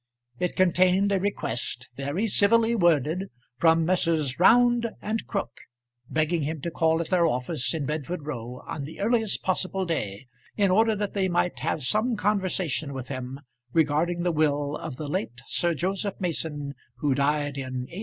It contained a request, very civilly worded, from Messrs. Round and Crook, begging him to call at their office in Bedford Row on the earliest possible day, in order that they might have some conversation with him regarding the will of the late Sir Joseph Mason, who died in 18